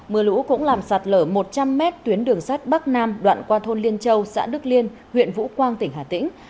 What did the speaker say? mưa lũ cũng làm sạt lở một trăm linh mét tuyến đường sát bắc nam đoạn qua thôn liên châu xã đức liên huyện vũ quang tỉnh hà tĩnh